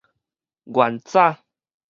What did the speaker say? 原早